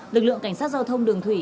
lực lượng cảnh sát giao thông đường thủy